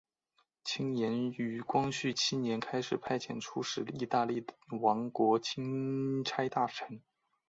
清廷于光绪七年开始派遣出使意大利王国钦差大臣。